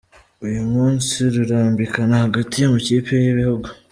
Uyu munsi rurambikana hagati y’amakipe y’ibihugu